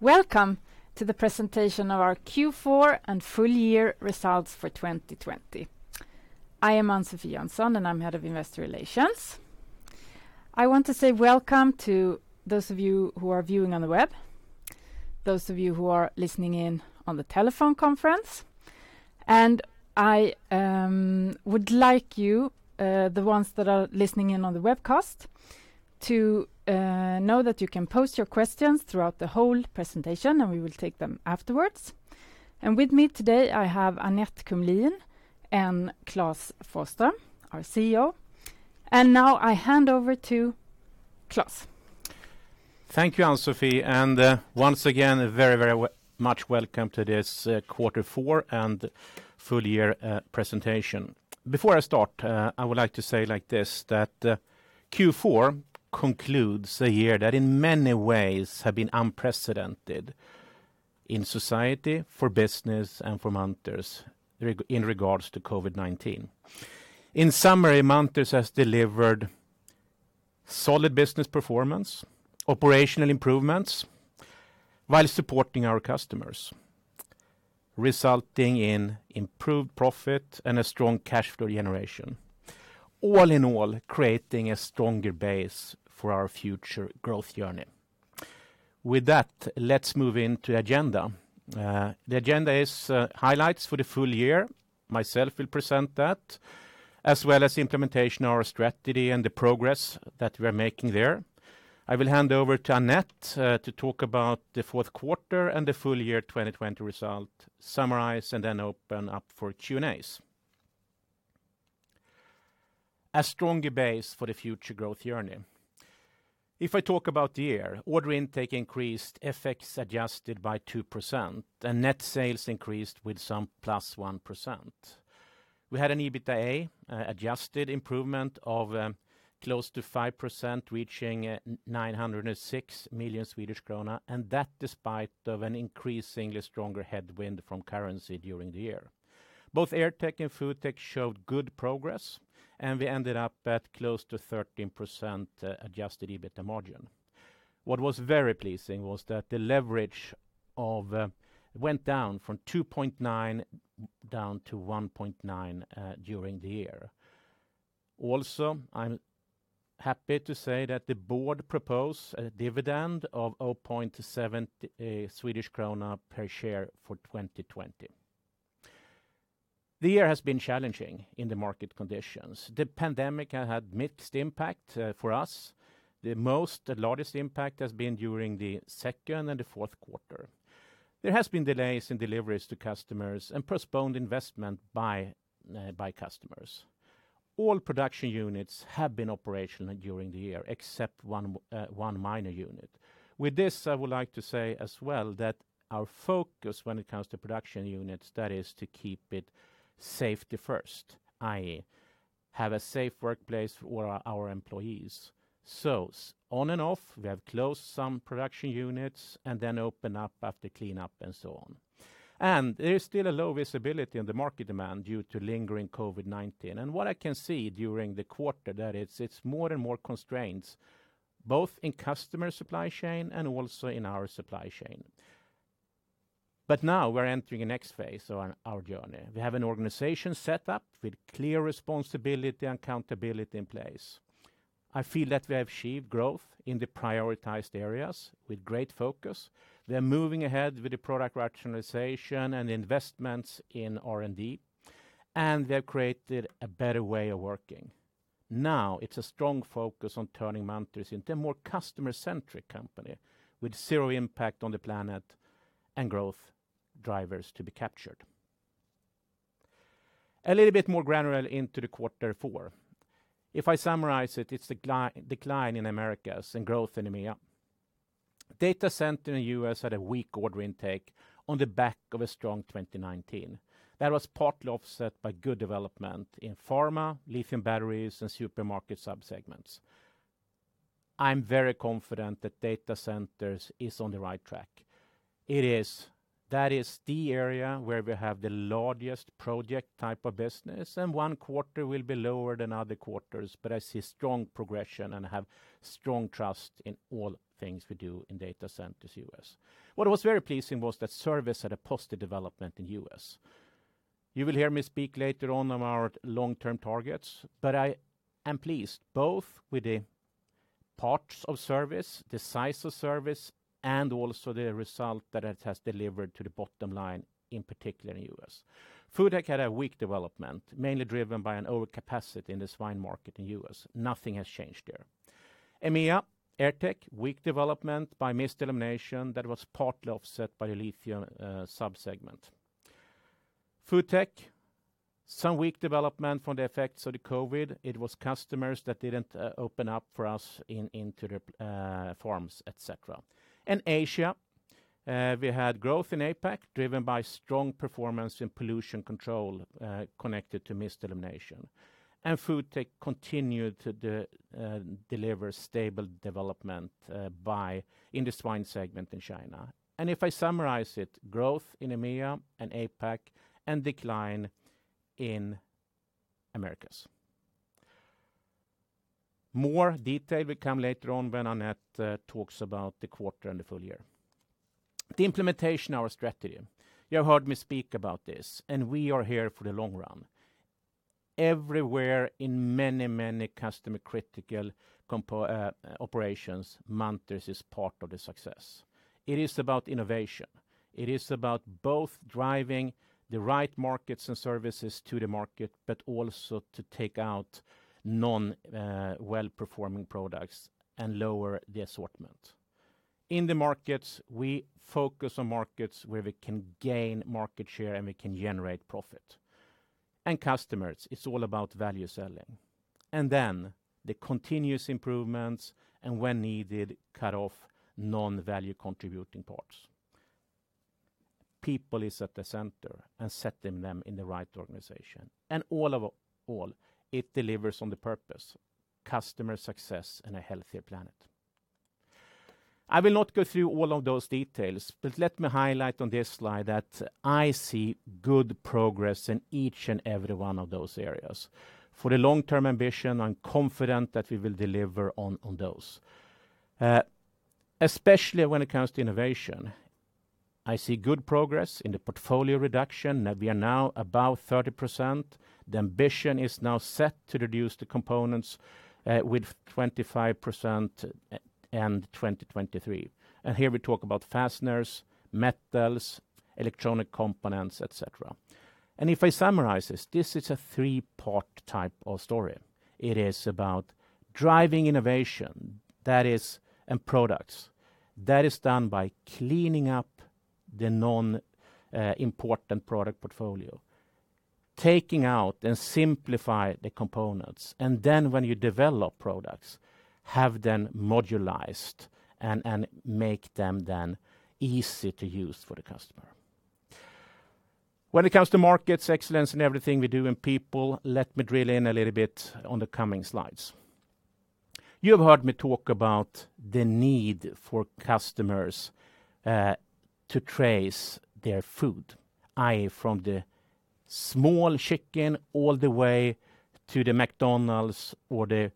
Welcome to the presentation of our Q4 and full year results for 2020. I am Ann-Sofi Jönsson, and I'm head of investor relations. I want to say welcome to those of you who are viewing on the web, those of you who are listening in on the telephone conference, and I would like you, the ones that are listening in on the webcast, to know that you can post your questions throughout the whole presentation, and we will take them afterwards. With me today, I have Annette Kumlien and Klas Forsström, our CEO. Now I hand over to Klas. Thank you, Ann-Sofi. Once again, very much welcome to this Quarter four and full year presentation. Before I start, I would like to say like this, that Q4 concludes a year that in many ways has been unprecedented in society, for business, and for Munters in regards to COVID-19. In summary, Munters has delivered solid business performance, operational improvements, while supporting our customers, resulting in improved profit and a strong cash flow generation. All in all, creating a stronger base for our future growth journey. With that, let's move into agenda. The agenda is highlights for the full year. Myself will present that, as well as the implementation of our strategy and the progress that we're making there. I will hand over to Annette to talk about the fourth quarter and the full year 2020 result summarize, and then open up for Q&As. A stronger base for the future growth journey. If I talk about the year, order intake increased, FX adjusted by 2%, and net sales increased with some plus 1%. We had an EBITDA adjusted improvement of close to 5%, reaching 906 million Swedish krona, and that despite of an increasingly stronger headwind from currency during the year. Both AirTech and FoodTech showed good progress, and we ended up at close to 13% adjusted EBITDA margin. What was very pleasing was that the leverage went down from 2.9 down to 1.9 during the year. I'm happy to say that the board proposed a dividend of 0.7 Swedish krona per share for 2020. The year has been challenging in the market conditions. The pandemic had mixed impact for us. The largest impact has been during the second and the fourth quarter. There has been delays in deliveries to customers and postponed investment by customers. All production units have been operational during the year except one minor unit. I would like to say as well that our focus when it comes to production units, that is to keep it safety first, i.e., have a safe workplace for our employees. On and off, we have closed some production units and then open up after clean up and so on. There is still a low visibility in the market demand due to lingering COVID-19. What I can see during the quarter that it's more and more constraints both in customer supply chain and also in our supply chain. Now we're entering the next phase on our journey. We have an organization set up with clear responsibility and accountability in place. I feel that we have achieved growth in the prioritized areas with great focus. We are moving ahead with the product rationalization and investments in R&D, and we have created a better way of working. Now, it's a strong focus on turning Munters into a more customer-centric company with zero impact on the planet and growth drivers to be captured. A little bit more granular into the quarter four. If I summarize it's a decline in Americas and growth in EMEA. Data center in U.S. had a weak order intake on the back of a strong 2019. That was partly offset by good development in pharma, lithium batteries, and supermarket subsegments. I'm very confident that data centers is on the right track. That is the area where we have the largest project type of business, and one quarter will be lower than other quarters, but I see strong progression and have strong trust in all things we do in data centers U.S. What was very pleasing was that service had a positive development in U.S. You will hear me speak later on our long-term targets, but I am pleased both with the parts of service, the size of service, and also the result that it has delivered to the bottom line, in particular in U.S. FoodTech had a weak development, mainly driven by an overcapacity in the swine market in U.S. Nothing has changed there. EMEA, AirTech, weak development by mist elimination that was partly offset by the lithium subsegment. FoodTech, some weak development from the effects of the COVID-19. It was customers that didn't open up for us into the forms, et cetera. In Asia, we had growth in APAC, driven by strong performance in pollution control, connected to mist elimination. FoodTech continued to deliver stable development in the swine segment in China. If I summarize it, growth in EMEA and APAC and decline in U.S. Americas. More detail will come later on when Annette talks about the quarter and the full year. The implementation of our strategy. You have heard me speak about this, and we are here for the long run. Everywhere in many customer-critical operations, Munters is part of the success. It is about innovation. It is about both driving the right markets and services to the market, but also to take out non-well-performing products and lower the assortment. In the markets, we focus on markets where we can gain market share and we can generate profit. Customers, it's all about value selling. The continuous improvements, and when needed, cut off non-value contributing parts. People is at the center, and setting them in the right organization. All of all, it delivers on the purpose, customer success, and a healthier planet. I will not go through all of those details, but let me highlight on this slide that I see good progress in each and every one of those areas. For the long-term ambition, I'm confident that we will deliver on those. Especially when it comes to innovation, I see good progress in the portfolio reduction, that we are now above 30%. The ambition is now set to reduce the components with 25% end 2023. Here we talk about fasteners, metals, electronic components, et cetera. If I summarize this is a three-part type of story. It is about driving innovation and products. That is done by cleaning up the non-important product portfolio, taking out and simplify the components, and then when you develop products, have them modularized and make them then easy to use for the customer. When it comes to markets, excellence in everything we do, and people, let me drill in a little bit on the coming slides. You have heard me talk about the need for customers to trace their food, from the small chicken all the way to the McDonald's or the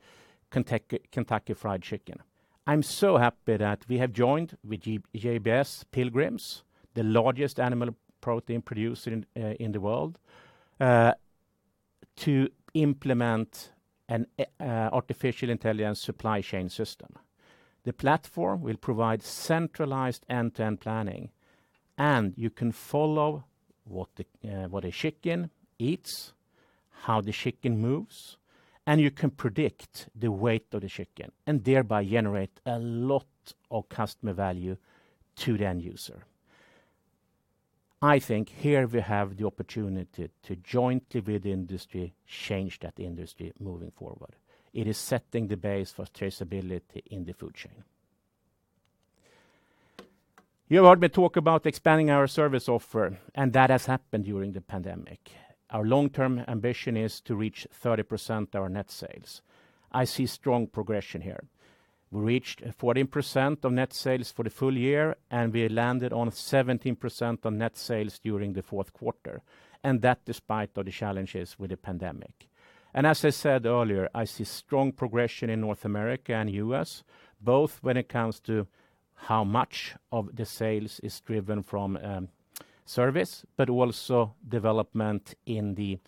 Kentucky Fried Chicken. I'm so happy that we have joined with JBS Pilgrim's, the largest animal protein producer in the world, to implement an artificial intelligence supply chain system. The platform will provide centralized end-to-end planning, and you can follow what a chicken eats, how the chicken moves, and you can predict the weight of the chicken, and thereby generate a lot of customer value to the end user. I think here we have the opportunity to jointly with the industry, change that industry moving forward. It is setting the base for traceability in the food chain. You heard me talk about expanding our service offer, and that has happened during the pandemic. Our long-term ambition is to reach 30% our net sales. I see strong progression here. We reached 14% of net sales for the full year, and we landed on 17% on net sales during the fourth quarter, and that despite all the challenges with the pandemic. As I said earlier, I see strong progression in North America and U.S., both when it comes to how much of the sales is driven from service, but also development in the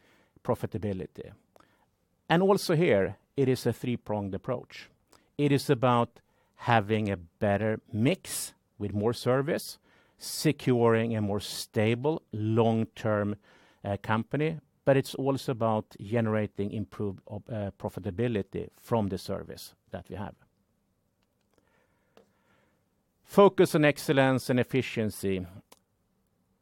profitability. Also here, it is a three-pronged approach. It is about having a better mix with more service, securing a more stable long-term company, but it's also about generating improved profitability from the service that we have. Focus on excellence and efficiency.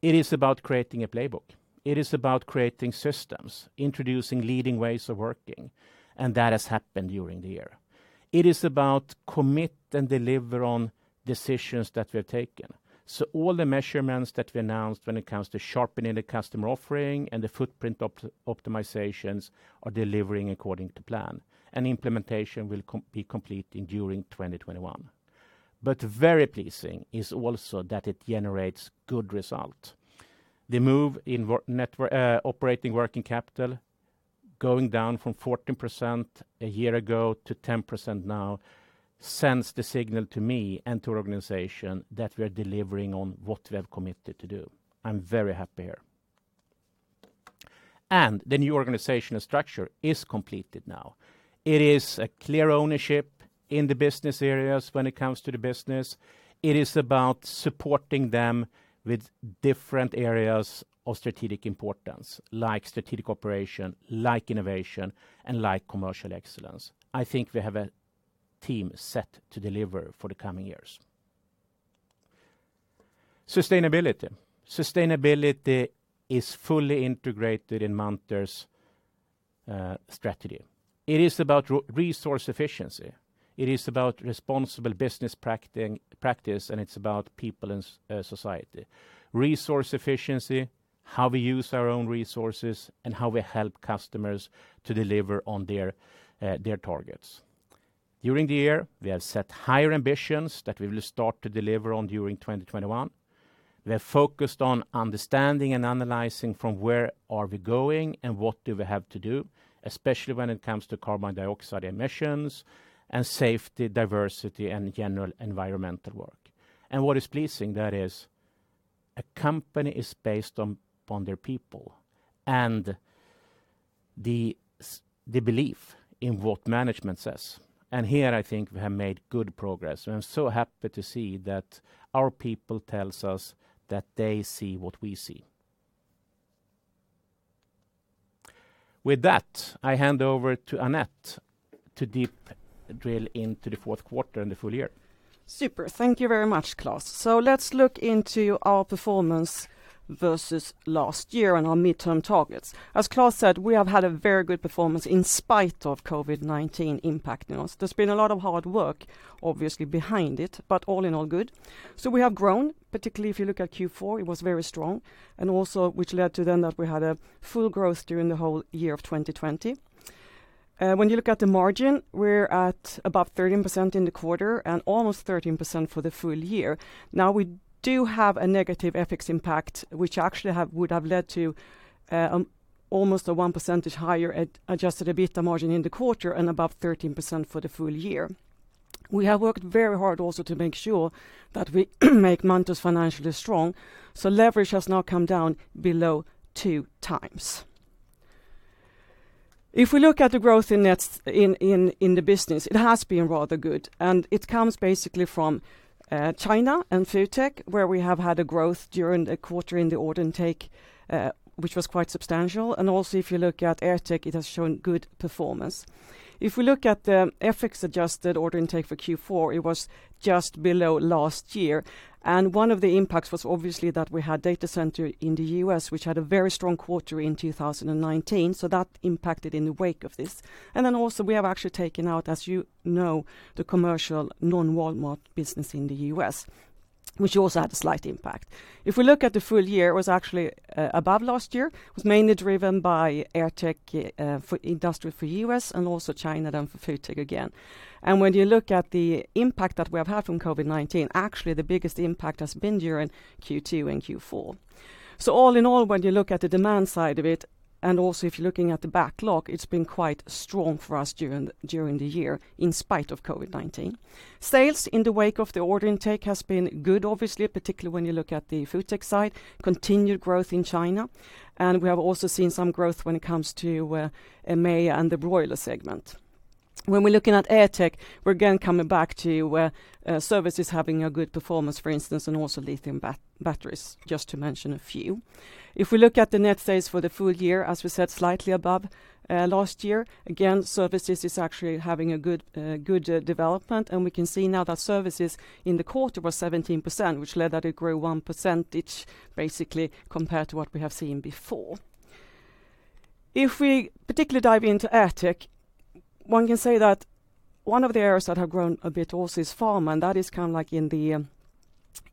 It is about creating a playbook. It is about creating systems, introducing leading ways of working, and that has happened during the year. It is about commit and deliver on decisions that we have taken. All the measurements that we announced when it comes to sharpening the customer offering and the footprint optimizations are delivering according to plan, and implementation will be complete during 2021. Very pleasing is also that it generates good result. The move in operating working capital going down from 14% a year ago to 10% now sends the signal to me and to our organization that we are delivering on what we have committed to do. I am very happy here. The new organizational structure is completed now. It is a clear ownership in the business areas when it comes to the business. It is about supporting them with different areas of strategic importance, like strategic operation, like innovation, and like commercial excellence. I think we have a team set to deliver for the coming years. Sustainability. Sustainability is fully integrated in Munters' strategy. It is about resource efficiency. It is about responsible business practice, and it is about people and society. Resource efficiency, how we use our own resources, and how we help customers to deliver on their targets. During the year, we have set higher ambitions that we will start to deliver on during 2021. We are focused on understanding and analyzing from where are we going and what do we have to do, especially when it comes to carbon dioxide emissions and safety, diversity, and general environmental work. What is pleasing there is a company is based upon their people and the belief in what management says. Here I think we have made good progress, and I'm so happy to see that our people tells us that they see what we see. With that, I hand over to Annette to deep drill into the fourth quarter and the full year. Super. Thank you very much, Klas. Let's look into our performance versus last year and our midterm targets. As Klas said, we have had a very good performance in spite of COVID-19 impacting us. There's been a lot of hard work, obviously, behind it, but all in all good. We have grown, particularly if you look at Q4, it was very strong, and also which led to then that we had a full growth during the whole year of 2020. When you look at the margin, we're at above 13% in the quarter and almost 13% for the full year. We do have a negative FX impact, which actually would have led to almost a 1 percentage higher adjusted EBITDA margin in the quarter and above 13% for the full year. We have worked very hard also to make sure that we make Munters financially strong. Leverage has now come down below two times. If we look at the growth in the business, it has been rather good. It comes basically from China and FoodTech, where we have had a growth during the quarter in the order intake, which was quite substantial. Also if you look at AirTech, it has shown good performance. If we look at the FX-adjusted order intake for Q4, it was just below last year. One of the impacts was obviously that we had data center in the U.S., which had a very strong quarter in 2019. That impacted in the wake of this. Then also we have actually taken out, as you know, the commercial non-Walmart business in the U.S., which also had a slight impact. If we look at the full year, it was actually above last year. It was mainly driven by AirTech for industrial for U.S. and also China, then for FoodTech again. When you look at the impact that we have had from COVID-19, actually the biggest impact has been during Q2 and Q4. All in all, when you look at the demand side of it, and also if you're looking at the backlog, it's been quite strong for us during the year in spite of COVID-19. Sales in the wake of the order intake has been good, obviously, particularly when you look at the FoodTech side, continued growth in China. We have also seen some growth when it comes to EMEA and the broiler segment. When we're looking at AirTech, we're again coming back to services having a good performance, for instance, and also lithium batteries, just to mention a few. If we look at the net sales for the full year, as we said, slightly above last year. Services is actually having a good development, and we can see now that services in the quarter was 17%, which led that it grew one percentage, basically, compared to what we have seen before. If we particularly dive into AirTech, one can say that one of the areas that have grown a bit also is pharma, and that is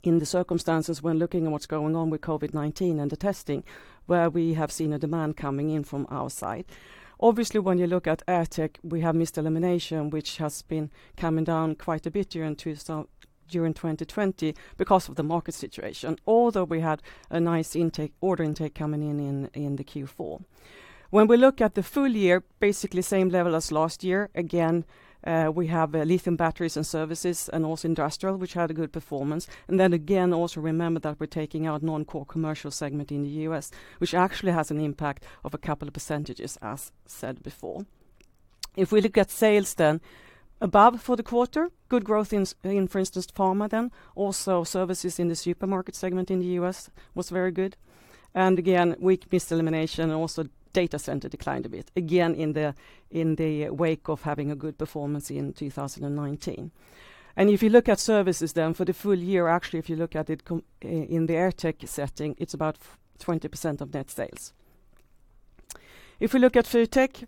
in the circumstances when looking at what's going on with COVID-19 and the testing, where we have seen a demand coming in from our side. Obviously, when you look at AirTech, we have mist elimination, which has been coming down quite a bit during 2020 because of the market situation, although we had a nice order intake coming in the Q4. When we look at the full year, basically same level as last year. Again, we have lithium batteries and services and also industrial, which had a good performance. Also remember that we're taking out non-core commercial segment in the U.S., which actually has an impact of a couple of percentages, as said before. If we look at sales then, above for the quarter, good growth in, for instance, pharma then. Also services in the supermarket segment in the U.S. was very good. Weak mist elimination and also data center declined a bit, again in the wake of having a good performance in 2019. If you look at services then for the full year, actually, if you look at it in the AirTech setting, it is about 20% of net sales. If we look at FoodTech,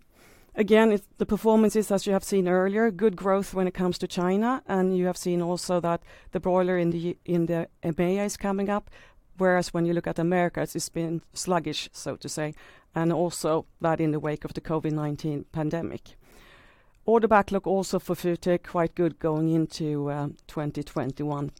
again, the performance is as you have seen earlier, good growth when it comes to China, and you have seen also that the broiler in the EMEA is coming up. Whereas when you look at Americas, it has been sluggish, so to say, and also that in the wake of the COVID-19 pandemic. Order backlog also for FoodTech, quite good going into 2021,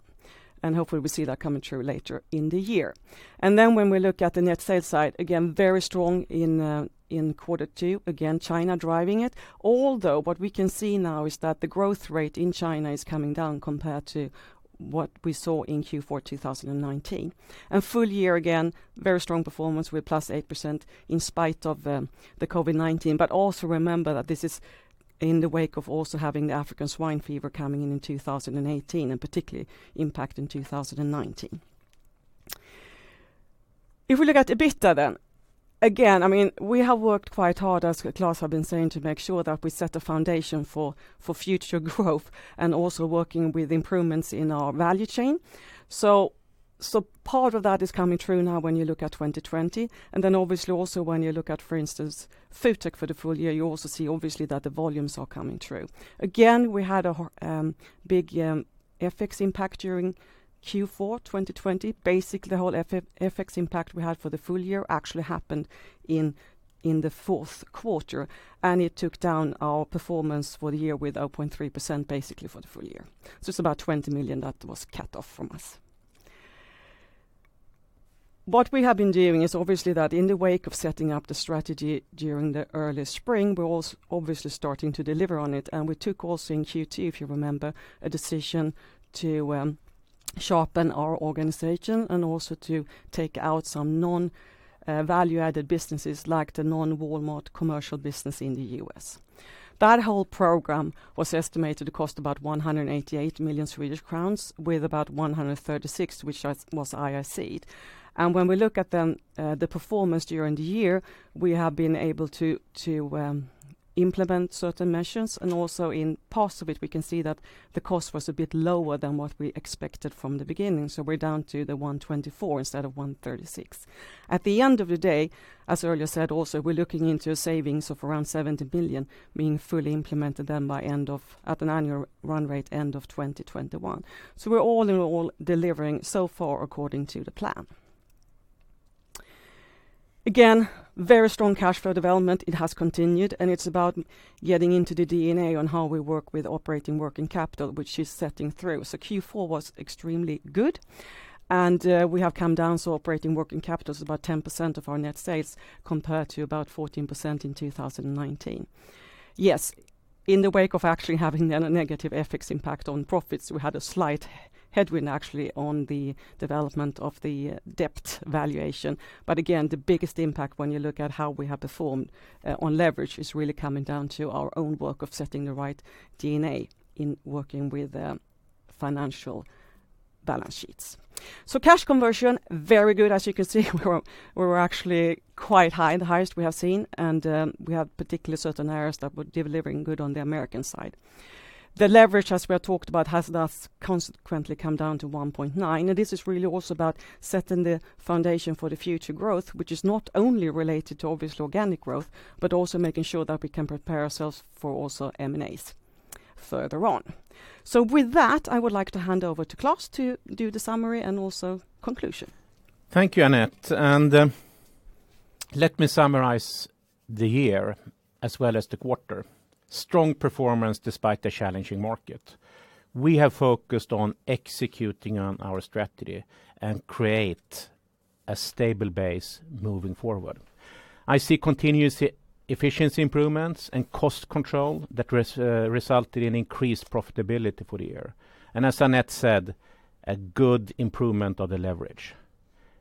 and hopefully we will see that coming through later in the year. When we look at the net sales side, again, very strong in quarter two, again, China driving it. Although what we can see now is that the growth rate in China is coming down compared to what we saw in Q4 2019. Full year, again, very strong performance with +8% in spite of the COVID-19. Also remember that this is in the wake of also having the African swine fever coming in in 2018, and particularly impact in 2019. If we look at EBITDA then, again, we have worked quite hard, as Klas have been saying, to make sure that we set the foundation for future growth and also working with improvements in our value chain. Part of that is coming through now when you look at 2020. Obviously also when you look at, for instance, FoodTech for the full year, you also see obviously that the volumes are coming through. Again, we had a big FX impact during Q4 2020. Basically, the whole FX impact we had for the full year actually happened in the fourth quarter, and it took down our performance for the year with 0.3% basically for the full year. It's about 20 million that was cut off from us. What we have been doing is obviously that in the wake of setting up the strategy during the early spring, we're also obviously starting to deliver on it. We took also in Q2, if you remember, a decision to sharpen our organization and also to take out some non-value-added businesses like the non-Walmart commercial business in the U.S. That whole program was estimated to cost about 188 million Swedish crowns with about 136, which was IAC. When we look at the performance during the year, we have been able to implement certain measures, and also in parts of it we can see that the cost was a bit lower than what we expected from the beginning. We're down to the 124 instead of 136. At the end of the day, as earlier said also, we're looking into savings of around 70 million, being fully implemented then at an annual run rate end of 2021. We're all in all delivering so far according to the plan. Again, very strong cash flow development. It has continued, and it's about getting into the DNA on how we work with operating working capital, which is setting through. Q4 was extremely good, and we have come down, so operating working capital is about 10% of our net sales, compared to about 14% in 2019. Yes, in the wake of actually having a negative EBITDA impact on profits, we had a slight headwind actually on the development of the debt valuation. Again, the biggest impact when you look at how we have performed on leverage is really coming down to our own work of setting the right DNA in working with financial balance sheets. Cash conversion, very good. As you can see, we were actually quite high, the highest we have seen, and we have particularly certain areas that were delivering good on the American side. The leverage, as we have talked about, has thus consequently come down to 1.9, and this is really also about setting the foundation for the future growth, which is not only related to obviously organic growth, but also making sure that we can prepare ourselves for also M&As further on. With that, I would like to hand over to Klas to do the summary and also conclusion. Thank you, Annette. Let me summarize the year as well as the quarter. Strong performance despite the challenging market. We have focused on executing on our strategy and create a stable base moving forward. I see continuous efficiency improvements and cost control that resulted in increased profitability for the year. As Annette said, a good improvement of the leverage.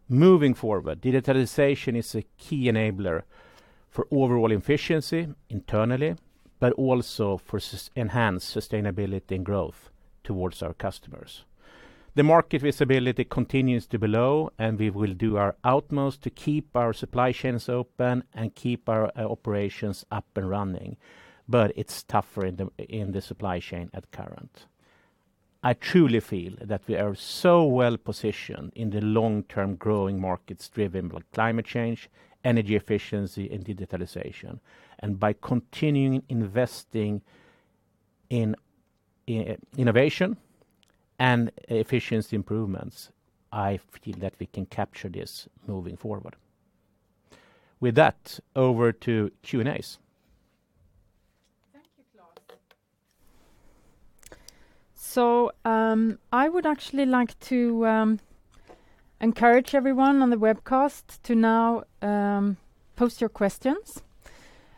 Moving forward, digitalization is a key enabler for overall efficiency internally, but also for enhanced sustainability and growth towards our customers. The market visibility continues to be low. We will do our utmost to keep our supply chains open and keep our operations up and running. It's tougher in the supply chain at current. I truly feel that we are so well-positioned in the long-term growing markets driven by climate change, energy efficiency, and digitalization. By continuing investing in innovation and efficiency improvements, I feel that we can capture this moving forward. With that, over to Q&As. Thank you, Klas. I would actually like to encourage everyone on the webcast to now post your questions,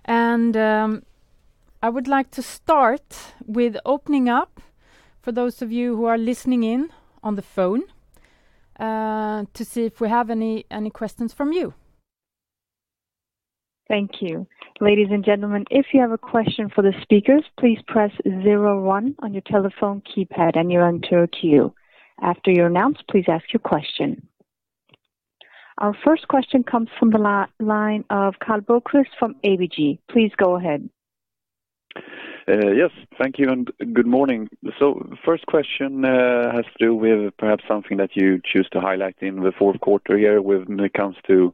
and I would like to start with opening up for those of you who are listening in on the phone to see if we have any questions from you. Thank you. Ladies and gentlemen, if you have a question for the speakers, please press zero one on your telephone keypad and you're entered to queue. After you're announced, please ask your question. Our first question comes from the line of Karl Bokvist from ABG. Please go ahead. Yes. Thank you. Good morning. First question has to do with perhaps something that you choose to highlight in the fourth quarter here when it comes to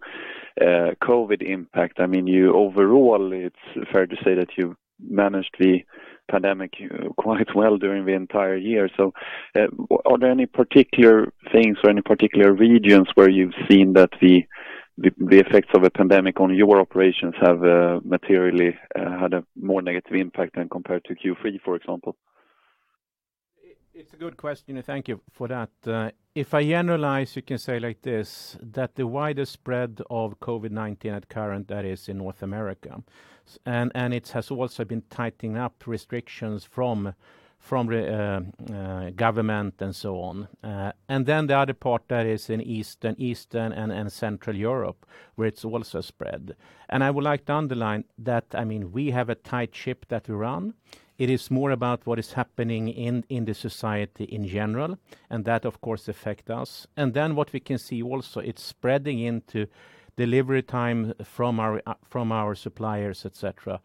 COVID impact. Overall, it's fair to say that you managed the pandemic quite well during the entire year. Are there any particular things or any particular regions where you've seen that the effects of the pandemic on your operations have materially had a more negative impact than compared to Q3, for example? It's a good question. Thank you for that. If I generalize, you can say like this, that the widest spread of COVID-19 at current, that is in North America. It has also been tightening up restrictions from government and so on. The other part that is in Eastern and Central Europe, where it's also spread. I would like to underline that we have a tight ship that we run. It is more about what is happening in the society in general, and that of course affect us. What we can see also, it's spreading into delivery time from our suppliers, et cetera.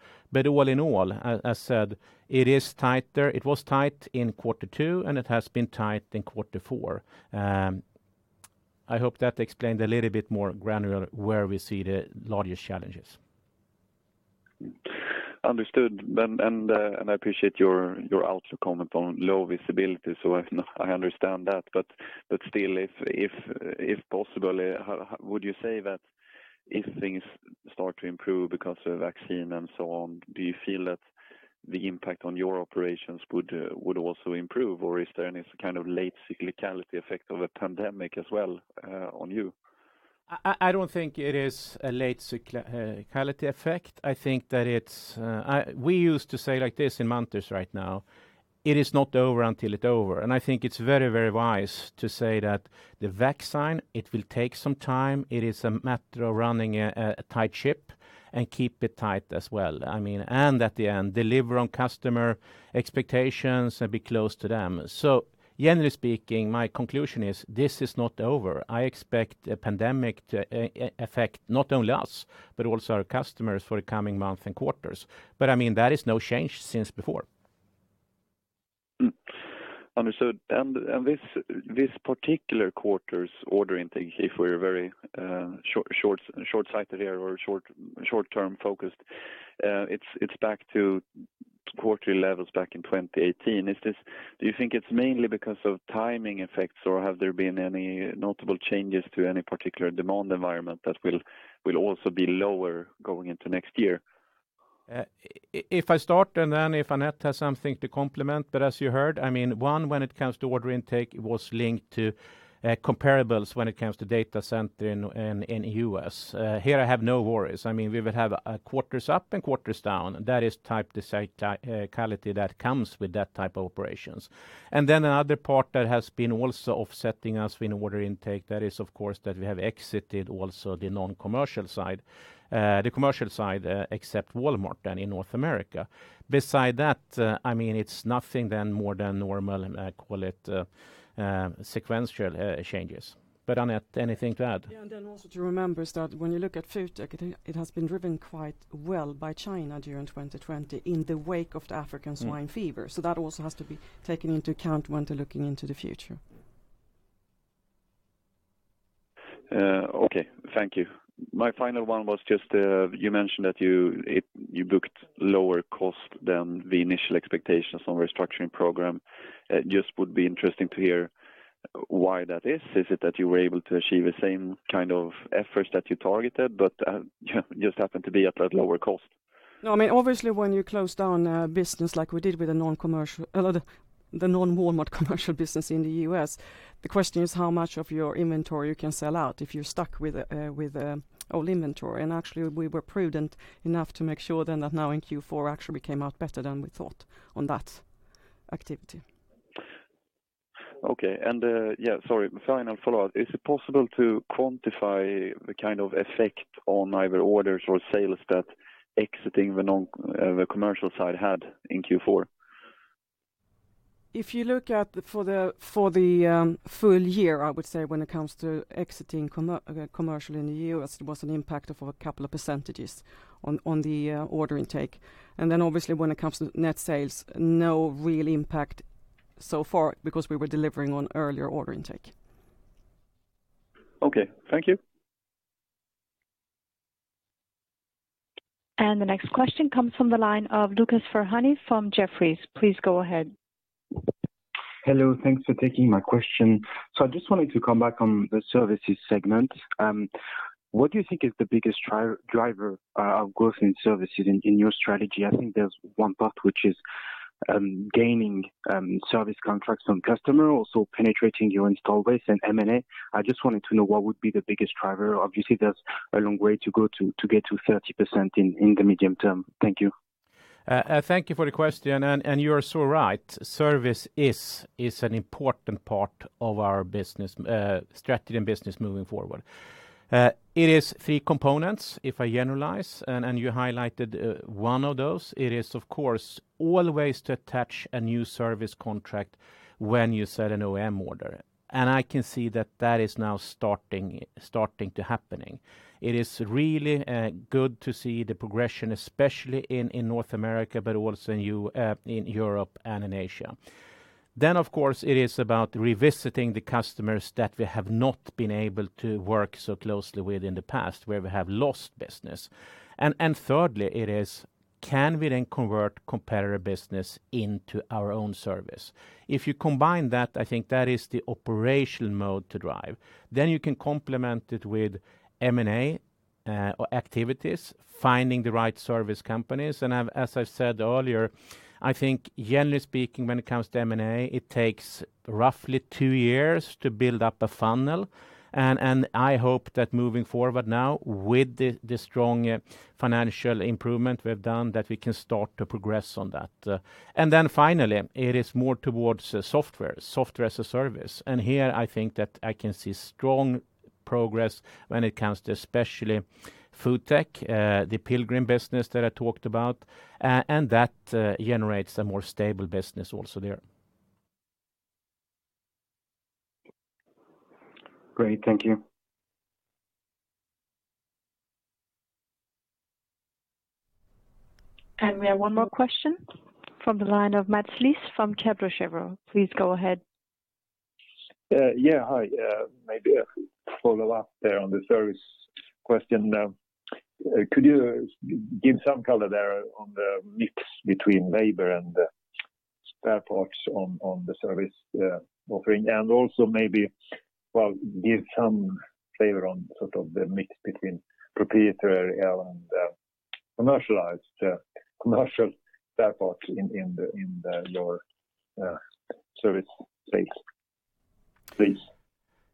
All in all, as said, it is tighter. It was tight in quarter two, and it has been tight in quarter four. I hope that explained a little bit more granular where we see the largest challenges. Understood. I appreciate your outro comment on low visibility, I understand that. Still, if possible, would you say that if things start to improve because of vaccine and so on, do you feel that the impact on your operations would also improve? Is there any kind of late cyclicality effect of a pandemic as well on you? I don't think it is a late cyclicality effect. We used to say it like this in Munters right now, "It is not over until it's over." I think it's very wise to say that the vaccine, it will take some time. It is a matter of running a tight ship and keep it tight as well. At the end, deliver on customer expectations and be close to them. Generally speaking, my conclusion is this is not over. I expect the pandemic to affect not only us, but also our customers for the coming months and quarters. That is no change since before. Understood. This particular quarter's order intake, if we're very short-sighted here or short-term focused, it's back to quarterly levels back in 2018. Do you think it's mainly because of timing effects, or have there been any notable changes to any particular demand environment that will also be lower going into next year? If I start and then if Annette has something to complement. As you heard, one, when it comes to order intake, it was linked to comparables when it comes to data center in U.S. Here I have no worries. We will have quarters up and quarters down. That is the cyclicality that comes with that type of operations. Then another part that has been also offsetting us in order intake, that is of course that we have exited also the commercial side except Walmart in North America. Beside that, it's nothing more than normal, call it sequential changes. Annette, anything to add? Yeah, also to remember is that when you look at FoodTech, it has been driven quite well by China during 2020 in the wake of the African swine fever. That also has to be taken into account when looking into the future. Okay, thank you. My final one was just, you mentioned that you booked lower cost than the initial expectations on restructuring program. Would be interesting to hear why that is. Is it that you were able to achieve the same kind of efforts that you targeted, but just happened to be at that lower cost? No, obviously when you close down a business like we did with the non-Walmart commercial business in the U.S., the question is how much of your inventory you can sell out if you're stuck with old inventory. Actually, we were prudent enough to make sure then that now in Q4 actually came out better than we thought on that activity. Okay. Sorry, final follow-up. Is it possible to quantify the kind of effect on either orders or sales that exiting the commercial side had in Q4? If you look for the full year, I would say when it comes to exiting commercial in the U.S., it was an impact of a couple of % on the order intake. Obviously when it comes to net sales, no real impact so far because we were delivering on earlier order intake. Okay. Thank you. The next question comes from the line of Lucas Ferhani from Jefferies. Please go ahead. Hello. Thanks for taking my question. I just wanted to come back on the services segment. What do you think is the biggest driver of growth in services in your strategy? I think there's one part which is gaining service contracts from customer, also penetrating your install base and M&A. I just wanted to know what would be the biggest driver. Obviously, there's a long way to go to get to 30% in the medium term. Thank you. Thank you for the question. You are so right. Service is an important part of our strategy and business moving forward. It is three components, if I generalize, and you highlighted one of those. It is of course always to attach a new service contract when you set an OEM order. I can see that that is now starting to happen. It is really good to see the progression, especially in North America, but also in Europe and in Asia. Of course it is about revisiting the customers that we have not been able to work so closely with in the past, where we have lost business. Thirdly, it is can we then convert competitor business into our own service? If you combine that, I think that is the operational mode to drive. You can complement it with M&A activities, finding the right service companies. As I've said earlier, I think generally speaking, when it comes to M&A, it takes roughly two years to build up a funnel. I hope that moving forward now with the strong financial improvement we've done, that we can start to progress on that. Finally, it is more towards software as a service. Here I think that I can see strong progress when it comes to especially FoodTech, the Pilgrim's business that I talked about, and that generates a more stable business also there. Great. Thank you. We have one more question from the line of Mats Liss from Kepler Cheuvreux. Please go ahead. Hi. Maybe a follow-up there on the service question. Could you give some color there on the mix between labor and spare parts on the service offering, also maybe give some flavor on the mix between proprietary and commercial spare parts in your service space, please.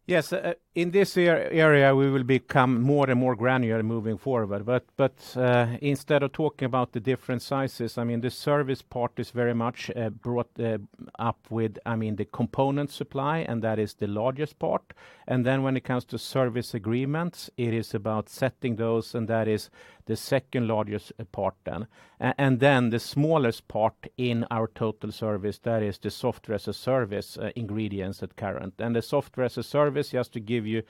Yes. In this area, we will become more and more granular moving forward. The service part is very much brought up with the component supply, and that is the largest part. When it comes to service agreements, it is about setting those, and that is the second largest part then. The smallest part in our total service, that is the software as a service ingredients at current. The software as a service, just to give you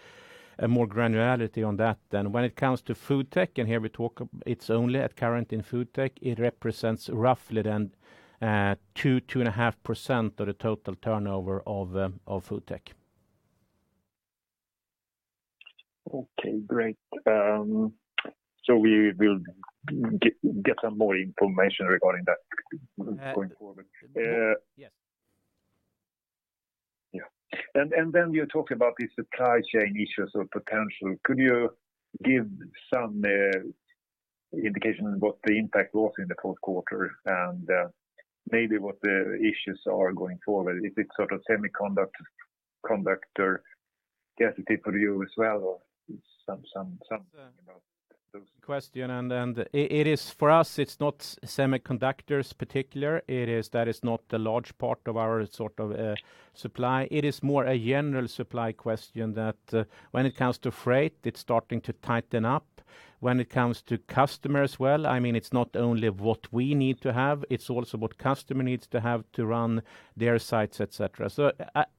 more granularity on that then, when it comes to FoodTech, and here we talk, it's only at current in FoodTech, it represents roughly then 2.5% of the total turnover of FoodTech. Okay, great. We will get some more information regarding that going forward. Yes. Yeah. Then you're talking about the supply chain issues or potential. Could you give some indication what the impact was in the fourth quarter and maybe what the issues are going forward? Is it semiconductor scarcity for you as well, or something about those? Question. For us, it's not semiconductors particular. That is not the large part of our supply. It is more a general supply question that when it comes to freight, it's starting to tighten up. When it comes to customers as well, it's not only what we need to have, it's also what customer needs to have to run their sites, et cetera.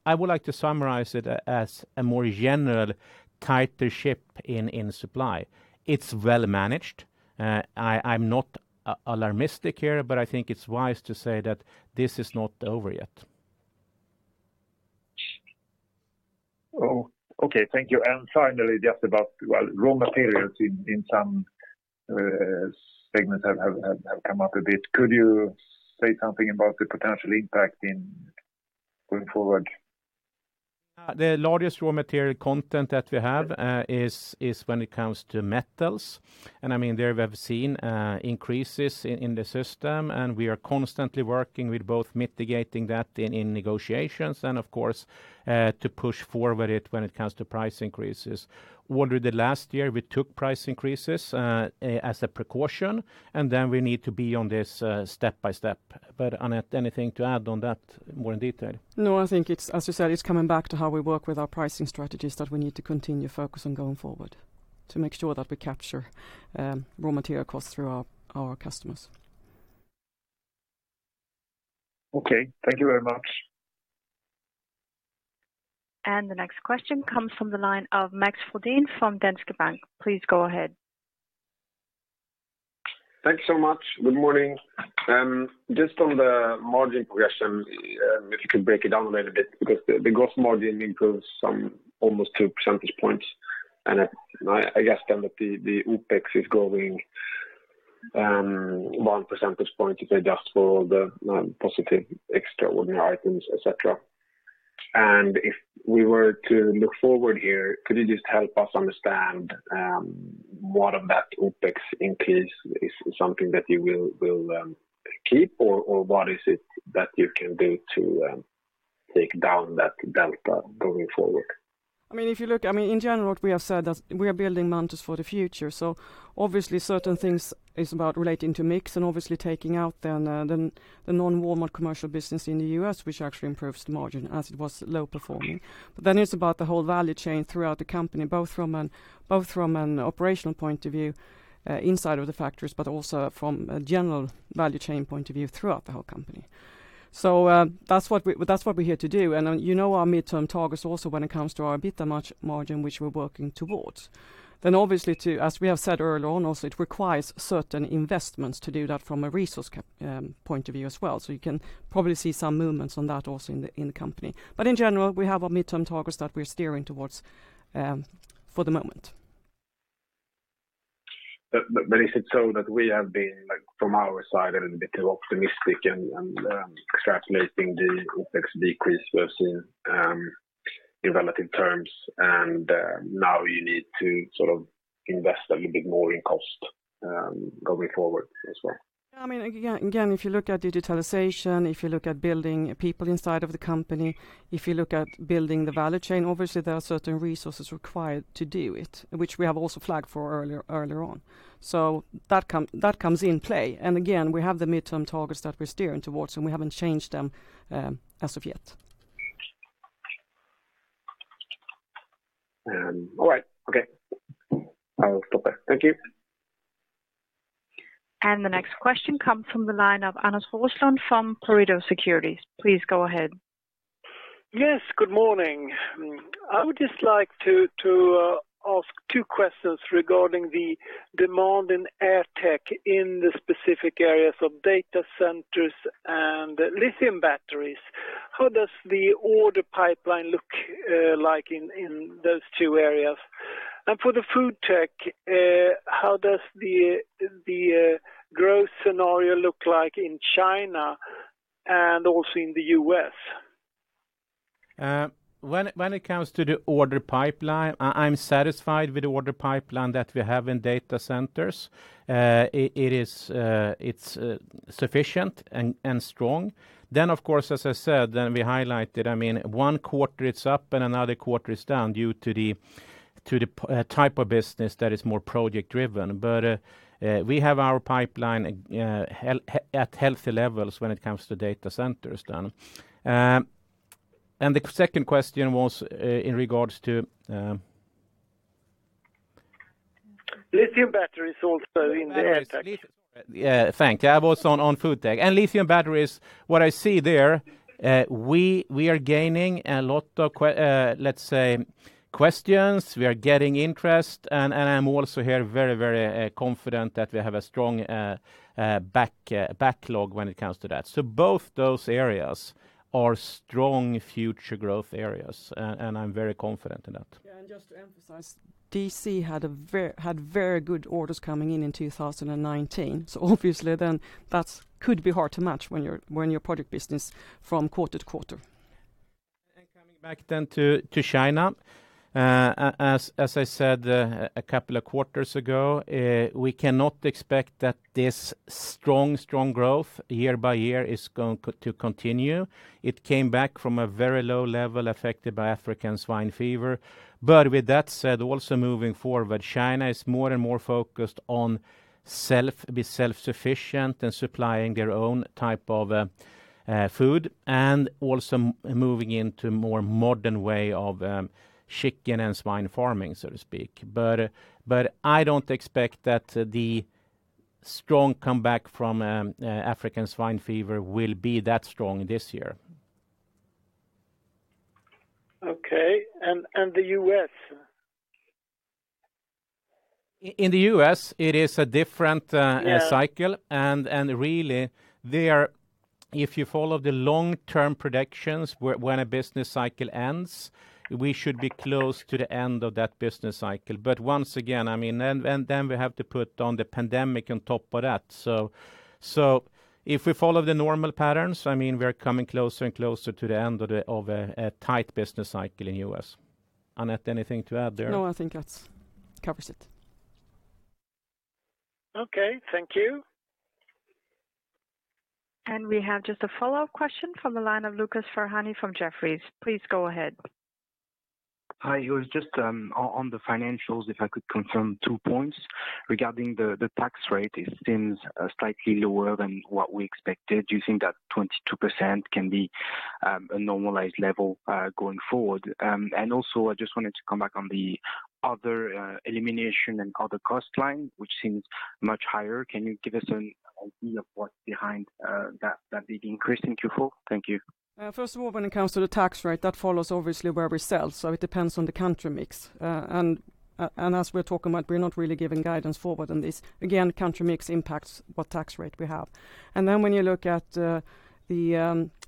I would like to summarize it as a more general tighter ship in supply. It's well managed. I'm not alarmistic here. I think it's wise to say that this is not over yet. Okay, thank you. Finally, just about raw materials in some segments have come up a bit. Could you say something about the potential impact going forward? The largest raw material content that we have is when it comes to metals, and there we have seen increases in the system, and we are constantly working with both mitigating that in negotiations and, of course, to push forward when it comes to price increases. During the last year, we took price increases as a precaution, and then we need to be on this step by step. Annette, anything to add on that more in detail? No, I think it's, as you said, it's coming back to how we work with our pricing strategies that we need to continue focus on going forward to make sure that we capture raw material costs through our customers. Okay. Thank you very much. The next question comes from the line of Max Fordin from Danske Bank. Please go ahead. Thanks so much. Good morning. Just on the margin progression, if you could break it down a little bit, because the gross margin improves almost two percentage points, I guess then that the OpEx is growing one percentage point if you adjust for the positive extraordinary items, et cetera. If we were to look forward here, could you just help us understand what of that OpEx increase is something that you will keep, or what is it that you can do to take down that delta going forward? If you look, in general, what we have said, that we are building Munters for the future. Obviously certain things is about relating to mix and obviously taking out then the non-Walmart commercial business in the U.S., which actually improves the margin as it was low performing. It's about the whole value chain throughout the company, both from an operational point of view inside of the factories, but also from a general value chain point of view throughout the whole company. That's what we're here to do. You know our midterm targets also when it comes to our EBITDA margin, which we're working towards. Obviously, too, as we have said earlier on also, it requires certain investments to do that from a resource point of view as well. You can probably see some movements on that also in the company. In general, we have our midterm targets that we're steering towards for the moment. Is it so that we have been, from our side, a little bit too optimistic and extrapolating the OpEx decrease we've seen in relative terms, and now you need to invest a little bit more in cost going forward as well? If you look at digitalization, if you look at building people inside of the company, if you look at building the value chain, obviously there are certain resources required to do it, which we have also flagged for earlier on. That comes in play. Again, we have the midterm targets that we're steering towards, and we haven't changed them as of yet. All right. Okay. I will stop there. Thank you. The next question comes from the line of Anders Roslund from Pareto Securities. Please go ahead. Yes, good morning. I would just like to ask two questions regarding the demand in AirTech in the specific areas of data centers and lithium batteries. How does the order pipeline look like in those two areas? For the FoodTech, how does the growth scenario look like in China and also in the U.S.? When it comes to the order pipeline, I'm satisfied with the order pipeline that we have in data centers. It's sufficient and strong. Of course, as I said, and we highlighted, one quarter it's up and another quarter is down due to the type of business that is more project driven. We have our pipeline at healthy levels when it comes to data centers then. The second question was in regards to Lithium batteries also in the AirTech. Yeah. Thank you. I was on FoodTech. Lithium batteries, what I see there, we are gaining a lot of, let's say, questions. We are getting interest, and I'm also here very confident that we have a strong backlog when it comes to that. Both those areas are strong future growth areas, and I'm very confident in that. Just to emphasize, DC had very good orders coming in in 2019, obviously then that could be hard to match when you're project business from quarter to quarter. Coming back to China. As I said a couple of quarters ago, we cannot expect that this strong growth year by year is going to continue. It came back from a very low level affected by African swine fever. With that said, also moving forward, China is more and more focused on be self-sufficient and supplying their own type of food, and also moving into more modern way of chicken and swine farming, so to speak. I don't expect that the strong comeback from African swine fever will be that strong this year. Okay. The U.S.? In the U.S., it is a different cycle. Yeah. Really, if you follow the long-term predictions, when a business cycle ends, we should be close to the end of that business cycle. Once again, then we have to put on the COVID-19 pandemic on top of that. If we follow the normal patterns, we are coming closer and closer to the end of a tight business cycle in U.S. Annette, anything to add there? No, I think that covers it. Okay. Thank you. We have just a follow-up question from the line of Lucas Ferhani from Jefferies. Please go ahead. Hi. It was just on the financials, if I could confirm two points regarding the tax rate. It seems slightly lower than what we expected. Do you think that 22% can be a normalized level going forward? Also I just wanted to come back on the other elimination and other cost line, which seems much higher. Can you give us an idea of what's behind that big increase in Q4? Thank you. First of all, when it comes to the tax rate, that follows obviously where we sell, so it depends on the country mix. As we're talking about, we're not really giving guidance forward on this. Again, country mix impacts what tax rate we have. Then when you look at the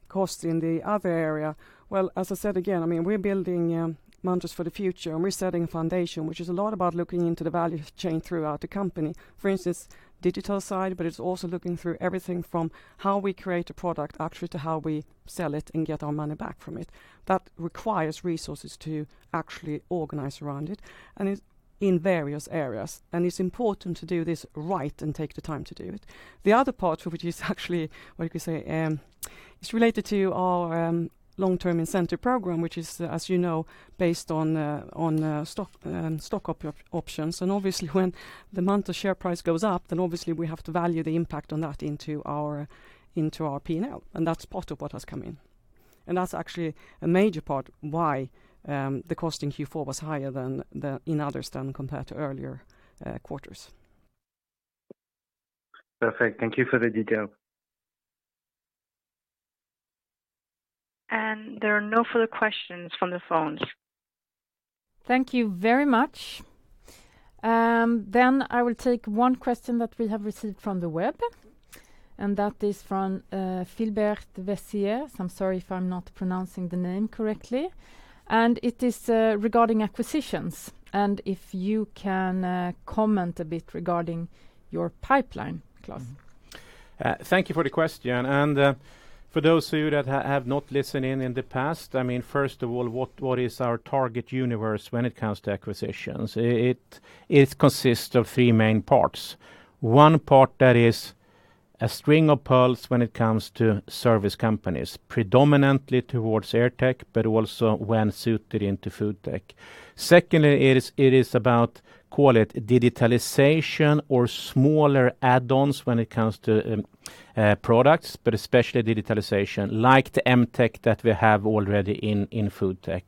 cost in the other area, well, as I said again, we're building Munters for the future, and we're setting a foundation, which is a lot about looking into the value chain throughout the company. For instance, digital side, but it's also looking through everything from how we create a product actually to how we sell it and get our money back from it. That requires resources to actually organize around it and in various areas. It's important to do this right and take the time to do it. The other part of it is actually, what you could say, it's related to our long-term incentive program, which is, as you know, based on stock options. Obviously when the Munters share price goes up, then obviously we have to value the impact on that into our P&L, and that's part of what has come in. That's actually a major part why the cost in Q4 was higher than in others compared to earlier quarters. Perfect. Thank you for the detail. There are no further questions from the phones. Thank you very much. I will take one question that we have received from the web, and that is from Philbert Vessier. I'm sorry if I'm not pronouncing the name correctly. It is regarding acquisitions, and if you can comment a bit regarding your pipeline, Klas. Thank you for the question. For those of you that have not listened in in the past, first of all, what is our target universe when it comes to acquisitions? It consists of three main parts. One part that is a string of pearls when it comes to service companies, predominantly towards AirTech, but also when suited into FoodTech. Secondly, it is about, call it digitalization or smaller add-ons when it comes to products, but especially digitalization, like the MTech that we have already in FoodTech.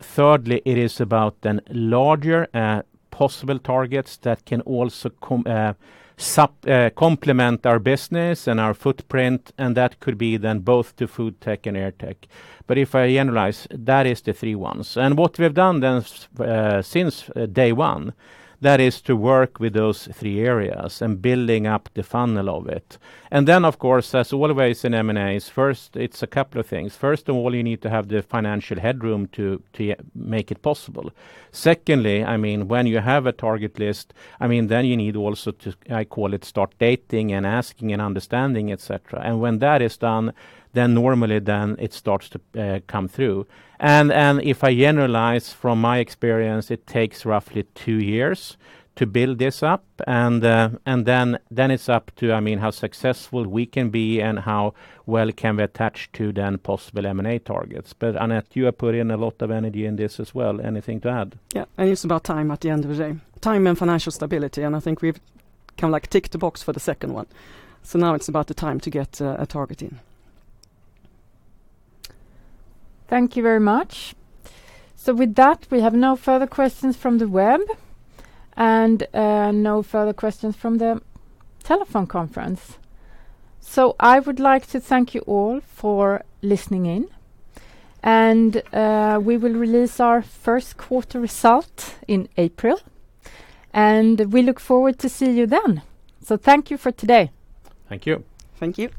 Thirdly, it is about then larger possible targets that can also complement our business and our footprint, and that could be then both to FoodTech and AirTech. If I generalize, that is the three ones. What we've done then since day one, that is to work with those three areas and building up the funnel of it. Then of course, as always in M&As, first, it's a couple of things. First of all, you need to have the financial headroom to make it possible. Secondly, when you have a target list, then you need also to, I call it, start dating and asking and understanding, et cetera. When that is done, then normally, then it starts to come through. If I generalize from my experience, it takes roughly two years to build this up, and then it's up to how successful we can be and how well can we attach to then possible M&A targets. Annette, you have put in a lot of energy in this as well. Anything to add? Yeah. It's about time at the end of the day. Time and financial stability, and I think we've tick the box for the second one. Now it's about time to get a target in. Thank you very much. With that, we have no further questions from the web and no further questions from the telephone conference. I would like to thank you all for listening in. We will release our first quarter result in April, and we look forward to see you then. Thank you for today. Thank you. Thank you.